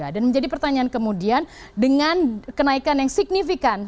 dan menjadi pertanyaan kemudian dengan kenaikan yang signifikan